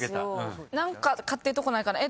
何か勝ってるとこないかな？